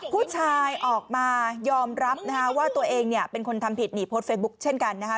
ผู้ชายออกมายอมรับนะคะว่าตัวเองเนี่ยเป็นคนทำผิดนี่โพสต์เฟซบุ๊คเช่นกันนะคะ